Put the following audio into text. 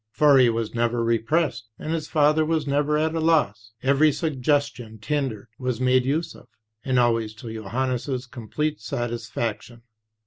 For he was never repressed, and his father was never at a loss; every suggestion tendered was made use of, and always to Johannes' complete satisfaction.